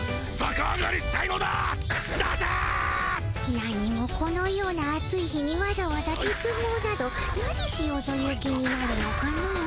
なにもこのような暑い日にわざわざ鉄ぼうなどなぜしようという気になるのかの。